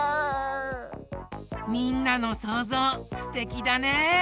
みんなのそうぞうすてきだね！